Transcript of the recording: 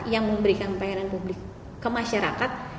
yang memberikan pelayanan publik ke masyarakat